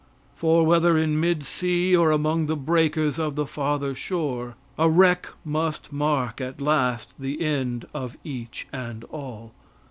For, whether in mid sea or among the breakers of the farther shore, a wreck must mark at last the end of each and all.